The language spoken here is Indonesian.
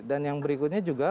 dan yang berikutnya juga